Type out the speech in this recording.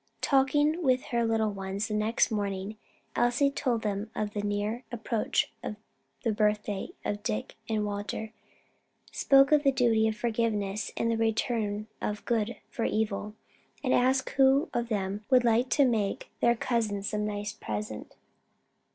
Talking with her little ones the next morning, Elsie told them of the near approach of the birthday of Dick and Walter, spoke of the duty of forgiveness and the return of good for evil, and asked who of them would like to make their cousins some nice present.